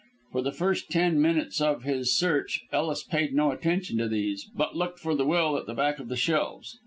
For the first ten minutes of his search Ellis paid no attention to these, but looked for the will at the back of the shelves.